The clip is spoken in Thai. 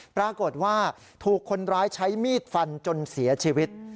ปรากฏว่าถูกคนร้ายใช้มีดฟันจนเสียชีวิต